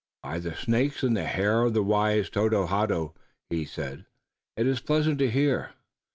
"By the snakes in the hair of the wise Tododaho," he said, "it is pleasant to hear!